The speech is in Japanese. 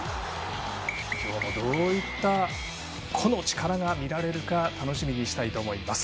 今日もどういった個の力が見られるか楽しみにしたいと思います。